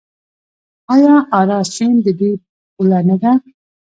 آیا اراس سیند د دوی پوله نه ده؟